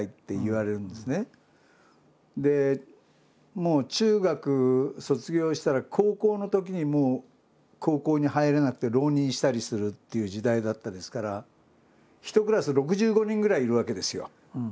もう中学卒業したら高校のときにもう高校に入れなくて浪人したりするっていう時代だったですから１クラス６５人ぐらいいるわけですよ。